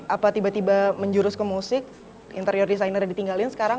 apa tiba tiba menjurus ke musik interior desainer yang ditinggalin sekarang